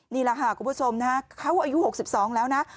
นี่แหละค่ะคุณผู้ชมนะเขาอายุ๖๒แล้วนะ